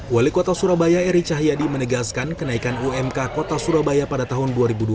wali kota surabaya eri cahyadi menegaskan kenaikan umk kota surabaya pada tahun dua ribu dua puluh